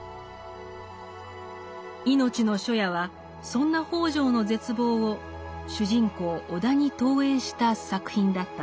「いのちの初夜」はそんな北條の絶望を主人公・尾田に投影した作品だったのです。